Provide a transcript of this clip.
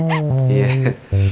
tapi dia benar